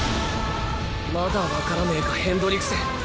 まだ分からねぇかヘンドリクセン。